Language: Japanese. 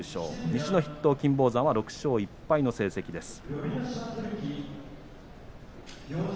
西の筆頭金峰山、６勝１敗です。